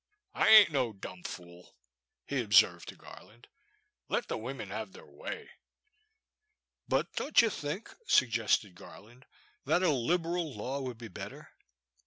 I ain't no dum fool," he observed to Gar land, let the wimmen hev their way." But don't you think," suggested Garland, that a liberal law would be better